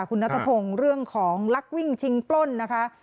คุณนัทพงศ์เรื่องของลักวิ่งชิงปล้นนะคะ